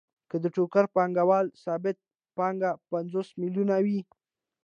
که د ټوکر پانګوال ثابته پانګه پنځوس میلیونه وي